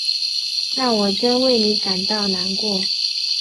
那我真为你感到难过。